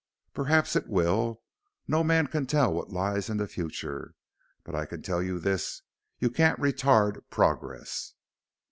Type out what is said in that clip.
Perhaps it will no man can tell what lies in the future. But I can tell you this: you can't retard progress."